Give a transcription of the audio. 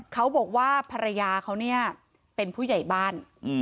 เขาบอกว่าภรรยาเขาเนี่ยเป็นผู้ใหญ่บ้าน